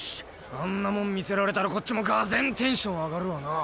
あんなもん見せられたらこっちも俄然テンション上がるわなぁ。